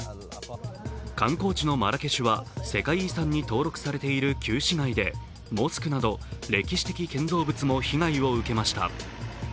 観光地のマラケシュは世界遺産に登録されている旧市街でモスクなど歴史的建造物も被害を受けました。